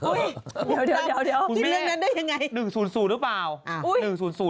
เดี๋ยวคุณแม่เรื่องนั้นได้อย่างไร